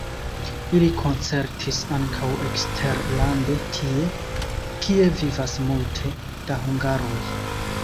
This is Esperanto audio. Ili koncertis ankaŭ eksterlande tie, kie vivas multe da hungaroj.